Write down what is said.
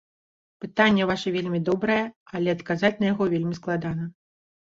Пытанне ваша вельмі добрае, але адказаць на яго вельмі складана.